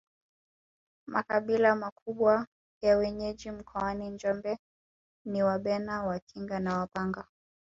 Makabila makubwa ya wenyeji mkoani Njombe ni Wabena Wakinga na Wapangwa